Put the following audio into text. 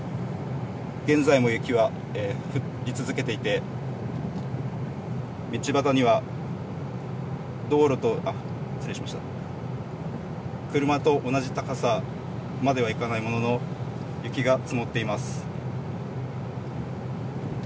現在も雪は降り続けていて、道端には車と同じ高さまではいかないものの、雪が積もっています。